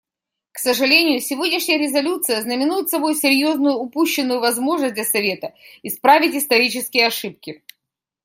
К сожалению, сегодняшняя резолюция знаменует собой серьезную упущенную возможность для Совета исправить исторические ошибки.